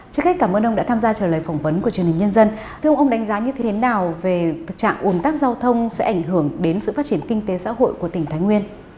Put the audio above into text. trước hết cảm ơn ông đã tham gia trả lời phỏng vấn của truyền hình nhân dân thưa ông ông đánh giá như thế nào về thực trạng ồn tắc giao thông sẽ ảnh hưởng đến sự phát triển kinh tế xã hội của tỉnh thái nguyên